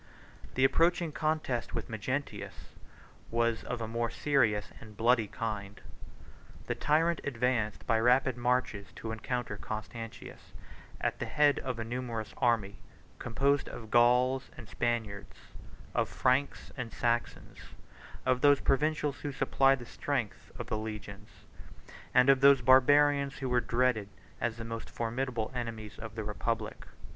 79 The approaching contest with Magnentius was of a more serious and bloody kind. The tyrant advanced by rapid marches to encounter Constantius, at the head of a numerous army, composed of Gauls and Spaniards, of Franks and Saxons; of those provincials who supplied the strength of the legions, and of those barbarians who were dreaded as the most formidable enemies of the republic.